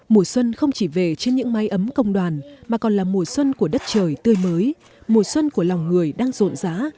mùa xuân không chỉ về trên những mái ấm công đoàn mà còn là mùa xuân của đất trời tươi mới mùa xuân của lòng người đang rộn rã